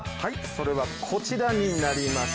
それはこちらになります。